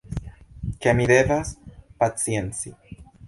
Ke mi devas pacienci.